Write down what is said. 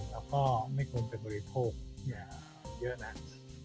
เราก็ไม่ควรไปบริโภคเยอะนาน